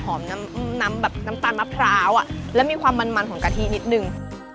น้ำน้ำแบบน้ำตาลมะพร้าวแล้วมีความมันของกะทินิดนึง